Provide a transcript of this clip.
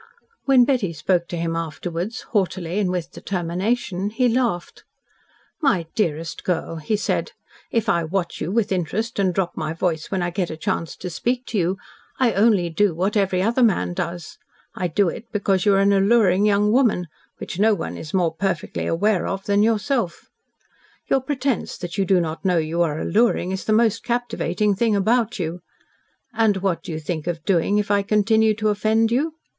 When Betty spoke to him afterwards, haughtily and with determination, he laughed. "My dearest girl," he said, "if I watch you with interest and drop my voice when I get a chance to speak to you, I only do what every other man does, and I do it because you are an alluring young woman which no one is more perfectly aware of than yourself. Your pretence that you do not know you are alluring is the most captivating thing about you. And what do you think of doing if I continue to offend you?